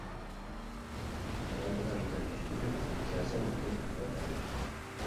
مۇرادىغا يېتەر ياش تۆكۈپ، سەرسانلىقتىن قۇتۇلغان ئارمان.